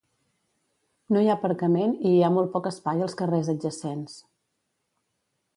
No hi ha aparcament i hi ha molt poc espai als carrers adjacents.